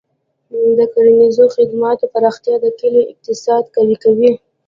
د کرنیزو خدماتو پراختیا د کلیو اقتصاد قوي کوي.